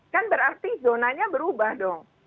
kan berarti zonanya berubah dong